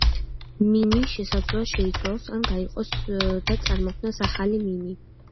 მიმი შესაძლოა შეიცვალოს ან გაიყოს და წარმოქმნას ახალი მიმი.